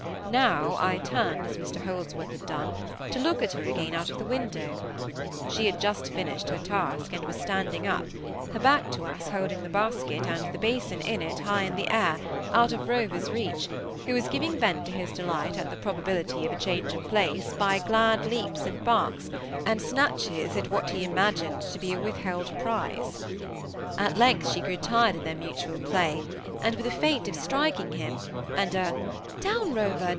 Now I turned, as Mr Holdsworth had done, to look at her again out of the window: she had just finished her task, and was standing up, her back to us, holding the basket, and the basin in it, high in air, out of Rover's reach, who was giving vent to his delight at the probability of a change of place by glad leaps and barks, and snatches at what he imagined to be a withheld prize. At length she grew tired of their mutual play, and with a feint of striking him, and a "Down, Rover!